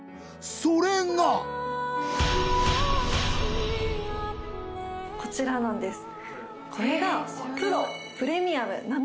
それがこちらなんです